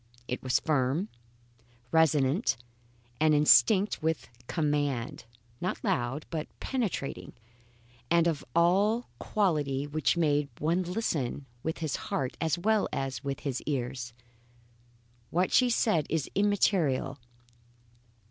It was firm, resonant, and instinct with command. Not loud, but penetrating, and of a quality which made one listen with his heart as well as with his ears. What she said is immaterial.